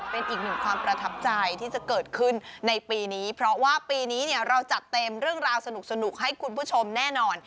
เป็นอีกหนึ่งความประทับใจที่จะเกิดขึ้นในปีนี้เพราะว่าปีนี้เนี่ยเราจัดเต็มเรื่องราวสนุกให้คุณผู้ชมแน่นอน